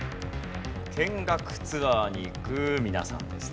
見学ツアーに行く皆さんですね。